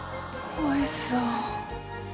おいしそう。